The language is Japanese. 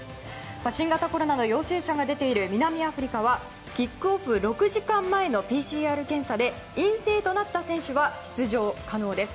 新型コロナの陽性者が出ている南アフリカはキックオフ６時間前のＰＣＲ検査で陰性となった選手は出場可能です。